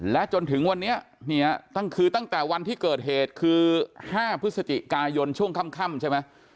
และจนถึงวันนี้คือตั้งแต่วันที่เกิดเหตุคือ๕พฤศจิกายนช่วงค่ำใช่ไหม